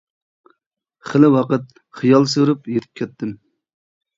خېلى ۋاقىت خىيال سۈرۈپ يېتىپ كەتتىم.